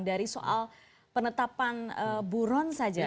dari soal penetapan buron saja